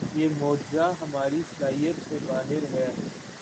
یہ معجزہ ہماری صلاحیت سے باہر ہے۔